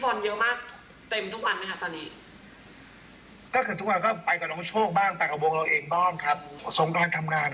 ผมเข้าใจว่าพอเพลงมันเอ้ยมันทำงานอะเขาเรียกเพลงมันทำงาน